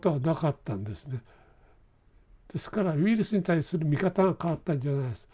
ですからウイルスに対する見方が変わったんじゃないんです。